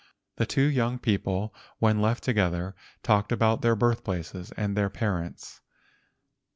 The two young people, when left together, talked about their birthplaces and their parents.